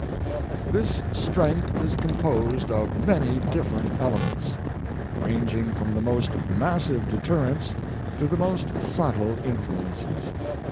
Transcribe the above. This strength is composed of many different elements, ranging from the most massive deterrents to the most subtle influences.